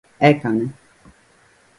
έκανε.